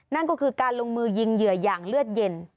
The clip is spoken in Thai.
นั่นก็คือการลงมือยิงเหยื่ออย่างเลือดเย็น